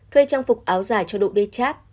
thuê trang phục áo dài cho đội bê chát